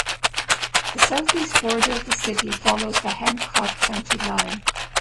The southeast border of the city follows the Hancock County line.